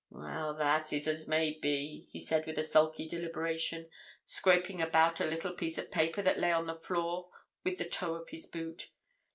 'Well, that is as it may be,' he said, with a sulky deliberation, scraping about a little bit of paper that lay on the floor with the toe of his boot.